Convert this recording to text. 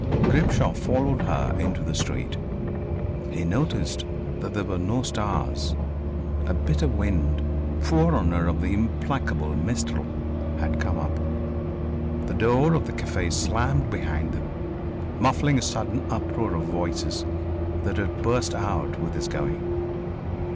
Grimshaw followed her into the street. He noticed that there were no stars. A bitter wind, forerunner of the implacable mistral, had come up. The door of the café slammed behind them, muffling a sudden uproar of voices that had burst out with his going....